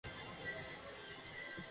მიუსაჯეს სიკვდილით დასჯა.